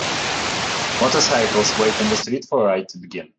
Motorcycles wait on the street for a ride to begin.